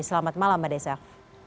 selamat malam mbak desaf